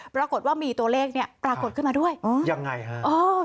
ปรากฏว่ามีตัวเลขเนี่ยปรากฏขึ้นมาด้วยอ๋อยังไงฮะอ๋อ